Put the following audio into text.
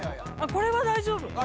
これは大丈夫。